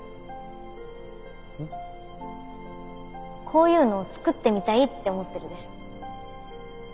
こういうのを作ってみたいって思ってるでしょ。